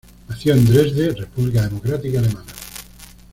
Nació en Dresde, República Democrática Alemana.